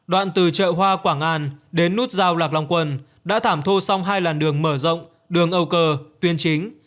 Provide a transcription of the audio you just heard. đoạn từ chợ hoa quảng an đến nút giao lạc long quần đã thảm thô xong hai làn đường mở rộng đường âu cơ tuyến chính